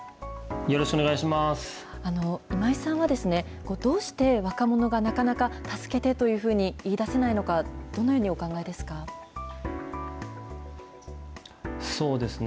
今井さんは、どうして若者がなかなか助けてというふうに言い出せないのか、どのようにお考えですか。